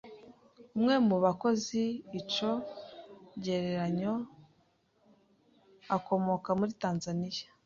umwe mu bakoze ico cegeranyo akomoka muri Tanzania